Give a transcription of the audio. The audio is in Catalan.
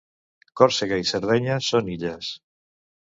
Còrsega i Sardenya són illes